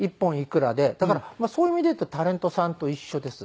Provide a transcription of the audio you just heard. だからそういう意味でいうとタレントさんと一緒です。